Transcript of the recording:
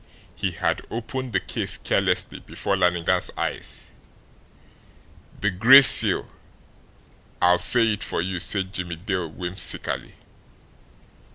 He had opened the case carelessly before Lannigan's eyes. "'The Gray Seal!' I'll say it for you," said Jimmie Dale whimsically.